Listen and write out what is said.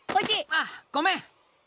ああごめん。